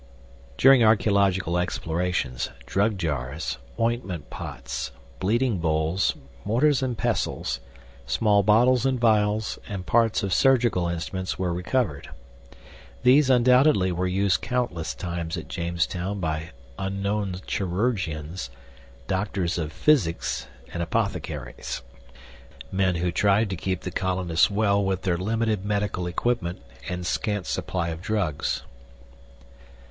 During archeological explorations, drug jars, ointment pots, bleeding bowls, mortars and pestles, small bottles and vials, and parts of surgical instruments were recovered. These, undoubtedly, were used countless times at Jamestown by unknown "chirurgions," doctors of "physickes," and apothecaries men who tried to keep the colonists well with their limited medical equipment and scant supply of drugs.